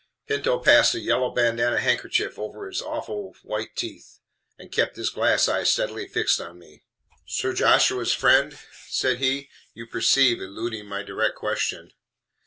Pinto passed a yellow bandanna handkerchief over his awful white teeth, and kept his glass eye steadily fixed on me. "Sir Joshua's friend?" said he (you perceive, eluding my direct question).